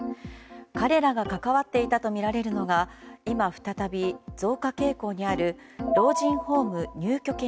彼らが関わっていたとみられるのが今、再び増加傾向にある老人ホーム入居権